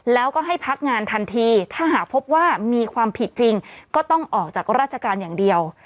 แล้วก็ให้พักงานทันทีถ้าหากพบว่ามีความผิดจริงก็ต้องออกจากราชการอย่างเดียว